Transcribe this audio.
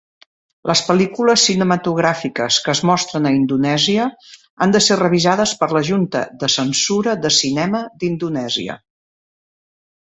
Les pel·lícules cinematogràfiques que es mostren a Indonèsia han de ser revisades per la Junta de Censura de Cinema d'Indonèsia.